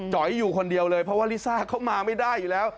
อ๋ยอยู่คนเดียวเลยเพราะว่าลิซ่าเขามาไม่ได้อยู่แล้ว